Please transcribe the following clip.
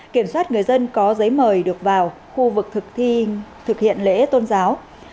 kiểm soát người dân có giấy mời được vào khu vực thực hiện lễ tôn giáo